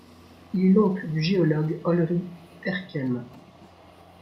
Il est l'oncle du géologue Olry Terquem.